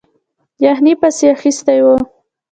یخنۍ پسې اخیستی وو.